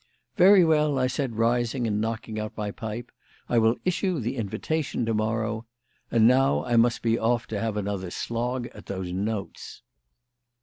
"Very well," I said, rising and knocking out my pipe, "I will issue the invitation to morrow. And now I must be off to have another slog at those notes."